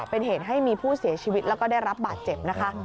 เป็นเหตุให้มีผู้เสียชีวิตแล้วก็ได้รับบาดเจ็บนะคะ